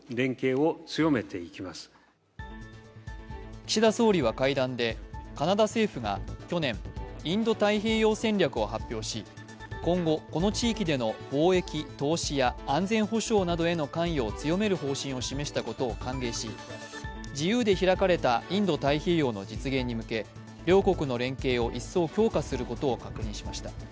岸田総理は会談でカナダ政府が去年インド太平洋戦略を発表し、今後、この地域での貿易・投資や安全保障などへの関与を強める方針を示したことを歓迎し、自由で開かれたインド太平洋の実現に向け両国の連携を一層強化することを確認しました。